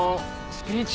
スピーチ！？